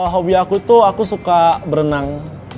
hobi aku tuh aku suka berenang